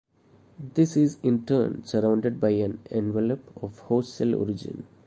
This is in turn surrounded by an envelope of host-cell origin.